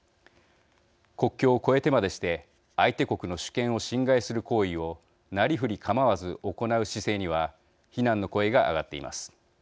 国境を越えてまでして相手国の主権を侵害する行為をなりふり構わず行う姿勢には非難の声が上がっています。